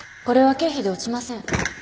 これは経費で落ちません